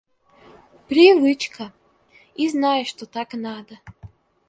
Привычка, и знаешь, что так надо.